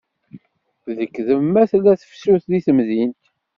D lekdeb ma tella tefsut deg temdint.